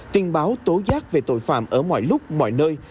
tin báo tố giác về tội phạm ở mọi lúc mọi nơi